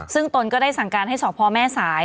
ซึ่งตนก็ได้สั่งการให้สพแม่สาย